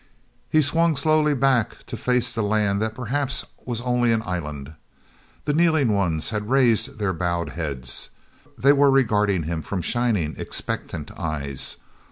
He swung slowly back to face the land that perhaps was only an island. The kneeling ones had raised their bowed heads. They were regarding him from shining, expectant eyes.